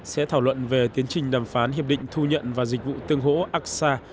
sẽ thảo luận về tiến trình đàm phán hiệp định thu nhận và dịch vụ tương hỗ aqsa